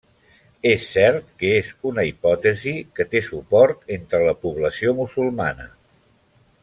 És cert que és una hipòtesi que té suport entre la població musulmana.